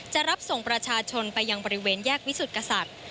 จะรับส่งประชาชนไปยังบริเวณแยกวิสุทธิ์กษัตริย์